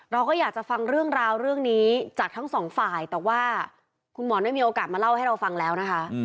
เราก็อยากจะฟังเรื่องราวเรื่องนี้จากทั้งสองฝ่ายแต่ว่าคุณหมอได้มีโอกาสมาเล่าให้เราฟังแล้วนะคะ